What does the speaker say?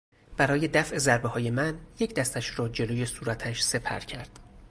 برای دفع ضربههای من یک دستش را جلو صورتش سپر کرد.